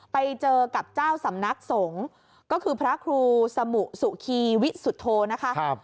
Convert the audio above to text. ไปเจอกับเจ้าสำนักสงฆ์ก็คือพระครูสมุสุคีวิสุโธนะคะ